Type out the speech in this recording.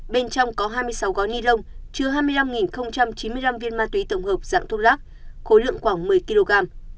bên trong có hai mươi sáu gói ni lông chứa hai mươi năm chín mươi năm viên ma túy tổng hợp dạng thuốc lắc khối lượng khoảng một mươi kg